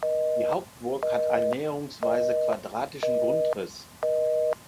Die Hauptburg hat einen näherungsweise quadratischen Grundriss.